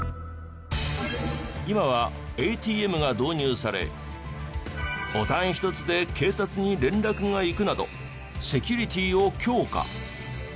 今はＡＴＭが導入されボタンひとつで警察に連絡がいくなどセキュリティーを強化。